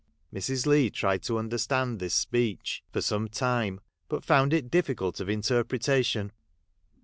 Mrs. Leigh tried to understand this speech for some time, but found it difficult of inter pretation.